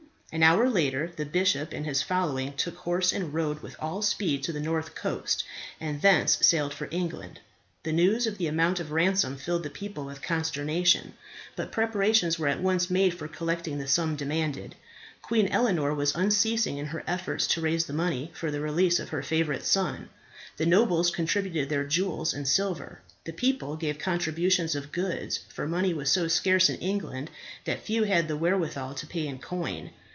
An hour later the bishop and his following took horse and rode with all speed to the north coast, and thence sailed for England. The news of the amount of ransom filled the people with consternation; but preparations were at once made for collecting the sum demanded. Queen Eleanor was unceasing in her efforts to raise the money for the release of her favourite son. The nobles contributed their jewels and silver; the people gave contributions of goods, for money was so scarce in England that few had the wherewithal to pay in coin.